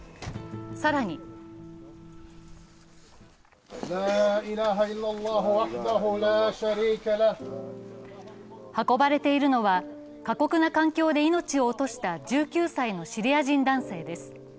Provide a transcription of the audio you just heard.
更に運ばれているのは、過酷な環境で命を落とした１９歳のシリア人男性です。